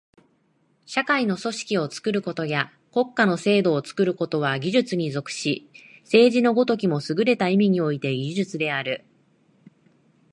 社会の組織を作ることや国家の制度を作ることは技術に属し、政治の如きもすぐれた意味において技術である。